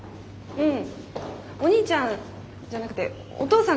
うん。